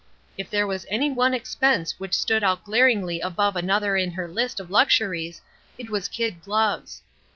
If there was any one expense which stood out glaringly above another in her list of luxuries it was kid gloves.